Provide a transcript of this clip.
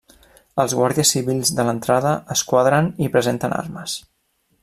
Els guàrdies civils de l'entrada es quadren i presenten armes.